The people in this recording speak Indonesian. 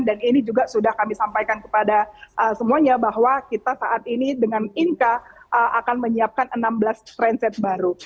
dan ini juga sudah kami sampaikan kepada semuanya bahwa kita saat ini dengan inka akan menyiapkan enam belas transit baru